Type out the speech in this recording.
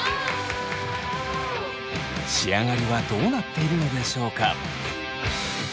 仕上がりはどうなっているのでしょうか。